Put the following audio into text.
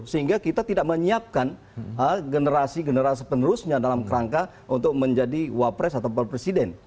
sehingga kita tidak menyiapkan generasi generasi penerusnya dalam kerangka untuk menjadi wapres atau presiden